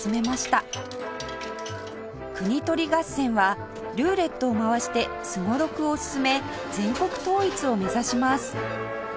国盗り合戦はルーレットを回してすごろくを進め全国統一を目指します